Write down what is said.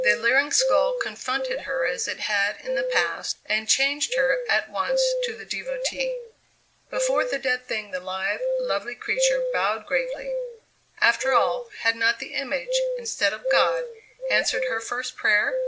The leering skull confronted her as it had in the past and changed her at once to the devotee. Before the dead thing the live, lovely creature bowed gravely. After all, had not the image, instead of God, answered her first prayer?